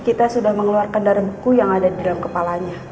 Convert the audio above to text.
kita sudah mengeluarkan darah buku yang ada di dalam kepalanya